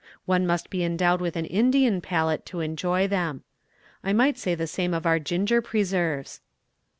One must be endowed with an Indian palate to enjoy them. I might say the same of our ginger preserves.